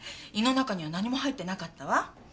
胃の中には何も入ってなかったわ。